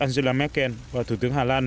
angela merkel và thủ tướng hà lan